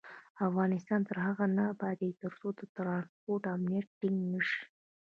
افغانستان تر هغو نه ابادیږي، ترڅو د ترانسپورت امنیت ټینګ نشي.